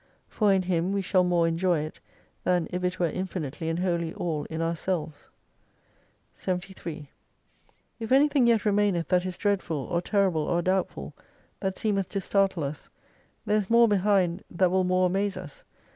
For in Him we shall more enjoy it than if it were infinitely and wholly all in ourselves. 73 If anything yet remaineth that is dreadful, or terrible or doubtful, that seemeth to startle us, there is more behind that will more amaze us.